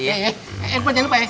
infonya jangan lupa ya